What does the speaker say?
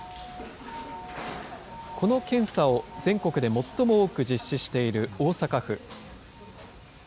この検査を全国で最も多く実施している大阪府。